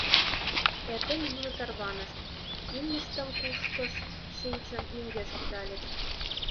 Эрдене нуно тарванышт, имньыштым кушкыж шинчын, мӧҥгеш кудальыч.